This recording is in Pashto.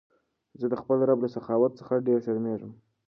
زه د خپل رب له سخاوت څخه ډېر شرمېږم.